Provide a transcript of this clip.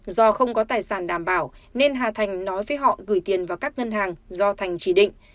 do không có tài sản đảm bảo nên hà thành nói với họ gửi tiền vào các ngân hàng do thành chỉ định